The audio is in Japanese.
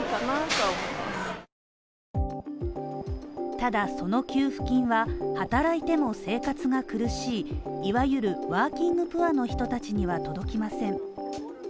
ただその給付金は働いても生活が苦しい、いわゆるワーキングプアの人たちには届きません